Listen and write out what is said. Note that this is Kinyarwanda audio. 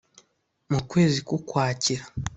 mu kwezi k Ukwakira